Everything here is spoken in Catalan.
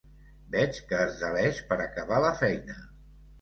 Veig que es deleix per acabar la feina.